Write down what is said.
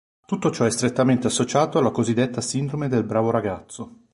Tutto ciò è strettamente associato alla cosiddetta sindrome del bravo ragazzo.